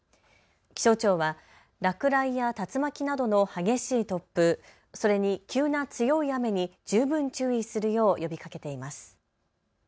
気象庁は落雷や竜巻などの激しい突風、それに急な強い雨に十分注意するよう呼びかけています。